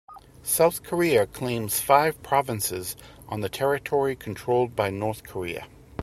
South Korea claims five provinces on the territory controlled by North Korea.